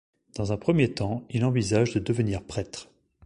Dans un premier temps, il envisage de devenir prêtre.